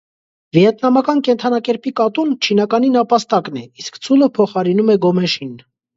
Վիետնամական կենդանակերպի «կատուն»՝ չինականի «նապաստակն» է, իսկ «ցուլը» փոխարինում է «գոմեշին»։